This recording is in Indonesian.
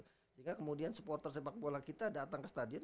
sehingga kemudian supporter sepak bola kita datang ke stadion